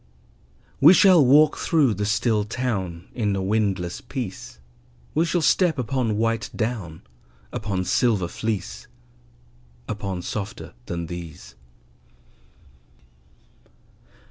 We shall walk through the still town In a windless peace; We shall step upon white down, Upon silver fleece, Upon softer than these.